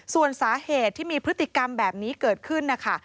ส่วนสาเหตุที่มีพฤติกรรมแบบนี้เกิดขึ้นนะคะ